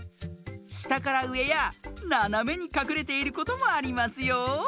したからうえやななめにかくれていることもありますよ。